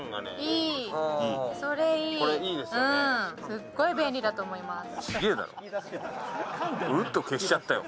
すっごい便利だと思います。